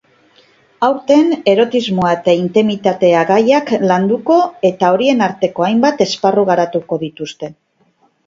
Aurten erotismoa eta intimitatea gaiak landuko eta horien arteko hainbat esparru garatuko dituzte.